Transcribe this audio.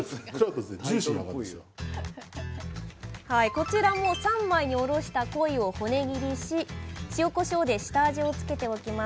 こちらも三枚におろしたコイを骨切りし塩こしょうで下味をつけておきます。